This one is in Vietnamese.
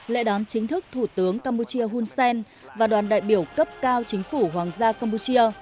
lễ đón chính thức thủ tướng campuchia hun sen và đoàn đại biểu cấp cao chính phủ hoàng gia campuchia